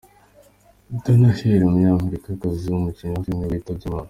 Dana Hill, umunyamerikakazi w’umukinnyi wa film nibwo yitabye Imana.